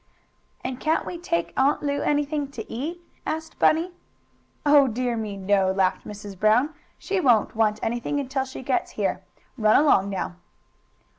"And can't we take Aunt Lu anything to eat?" asked Bunny. "Oh dear me, no!" laughed Mrs. Brown. "She won't want anything until she gets here. Run along now."